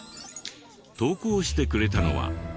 投稿してくれたのは。